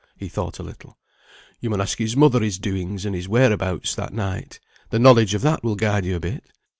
He thought a little. "You mun ask his mother his doings, and his whereabouts that night; the knowledge of that will guide you a bit."